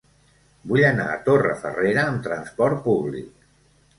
Vull anar a Torrefarrera amb trasport públic.